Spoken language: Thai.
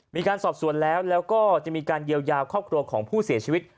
มีการสอบสวนแล้วแล้วก็จะมีการเยียวยาครอบครัวของผู้เสียชีวิต